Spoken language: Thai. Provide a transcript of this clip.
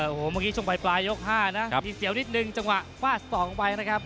โอ้โหเมื่อกี๊ช่วงไบยก๕นะดีเสียวนิดหนึ่งจังหวะป้าส๒ไว้นะครับ